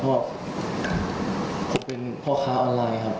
เพราะว่าผมเป็นพ่อค้าออนไลน์ครับ